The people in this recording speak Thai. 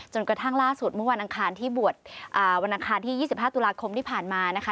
จนกระทั่งล่าสุดเมื่อวันอังคารที่๒๕ตุลาคมที่ผ่านมานะคะ